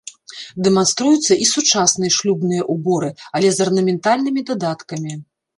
Дэманструюцца і сучасныя шлюбныя ўборы, але з арнаментальнымі дадаткамі.